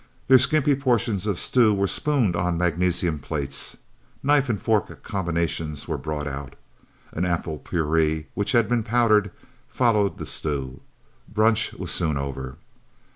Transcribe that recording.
Their skimpy portions of stew were spooned on magnesium plates. Knife and fork combinations were brought out. An apple purée which had been powder, followed the stew. Brunch was soon over.